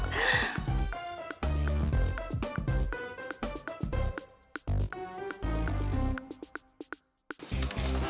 nah kita mulai